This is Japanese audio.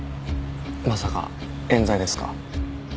まさか冤罪ですか？